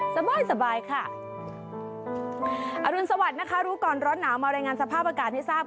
สบายสบายค่ะอรุณสวัสดิ์นะคะรู้ก่อนร้อนหนาวมารายงานสภาพอากาศให้ทราบ